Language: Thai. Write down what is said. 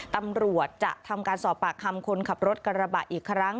ตำรวจจะทำการสอบปากคำคนขับรถกระบะอีกครั้ง